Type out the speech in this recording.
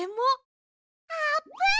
あーぷん！